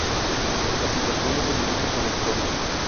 La situación no se limita a la historia.